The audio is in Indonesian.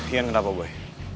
ian kenapa boy